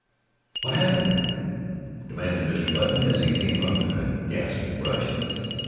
"What happened?" demanded Mr. Button, as he came up in a gasping rush.